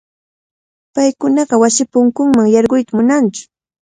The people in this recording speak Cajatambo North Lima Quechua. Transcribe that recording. Paykunaqa wasipa punkunman yarquyta munantsu.